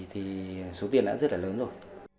thì số tiền đã rất là lớn rồi